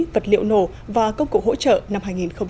vật liệu nổ và công cụ hỗ trợ năm hai nghìn một mươi chín